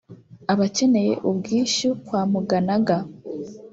abakeneye ubwishyu kwa muganaga